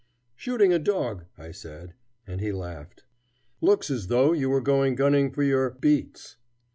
Shooting a dog, I said, and he laughed: "Looks as though you were going gunning for your beats."